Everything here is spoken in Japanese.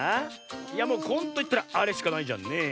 いやもう「こん」といったらあれしかないじゃんねえ。